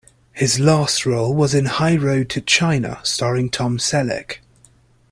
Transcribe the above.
His last role was in "High Road to China" starring Tom Selleck.